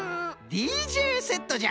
ＤＪセットじゃ！